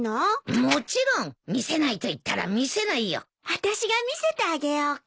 あたしが見せてあげようか。